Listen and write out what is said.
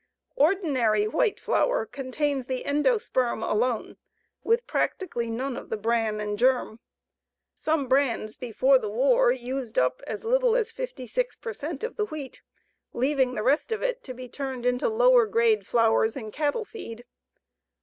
Ordinary white flour contains the endosperm alone, with practically none of the bran and germ. Some brands before the war used up as little as 56 per cent of the wheat, leaving the rest of it to be turned into lower grade flours and cattle feed.